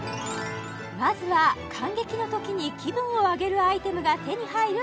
まずは観劇の時に気分を上げるアイテムが手に入る